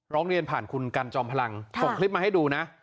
ร้องเรียนผ่านคุณกันจอมพลังส่งคลิปมาให้ดูนะ